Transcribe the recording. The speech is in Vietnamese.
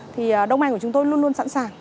thì đồng hành của chúng tôi luôn luôn sẵn sàng